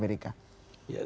terima kasih pak